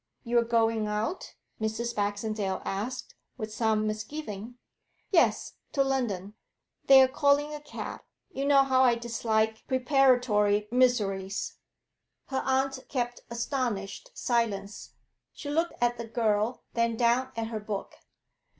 'You are going out?' Mrs. Baxendale asked, with some misgiving. 'Yes to London. They are calling a cab. You know how I dislike preparatory miseries.' Her aunt kept astonished silence. She looked at the girl, then down at her book.